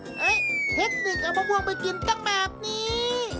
เทคนิคเอามะม่วงไปกินตั้งแบบนี้